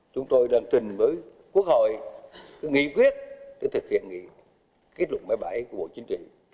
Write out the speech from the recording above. chúng tôi đồng tình với quốc hội nghĩ quyết để thực hiện kết luận máy bay của bộ chính trị